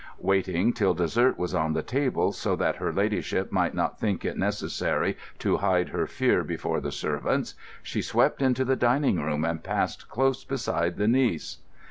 Waiting till dessert was on the table, so that her Ladyship might not think it necessary to hide her fear before the servants, she swept into the dining room and passed close beside the niece.